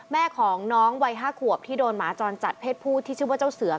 แม่ของน้องวัย๕ขวบที่โดนหมาจรจัดเพศผู้ที่ชื่อว่าเจ้าเสือ